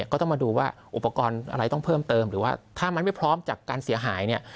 ก็ต้องมาดูว่าอุปกรณ์อะไรต้องเพิ่มเติมหรือว่าถ้ามันไม่พร้อมจากการเสียหายเนี่ย